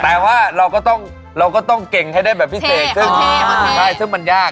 แต่ว่าเราก็ต้องเก่งให้ได้แบบพี่เสกซึ่งมันยาก